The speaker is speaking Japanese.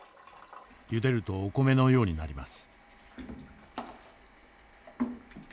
ゆでるとお米のようになります。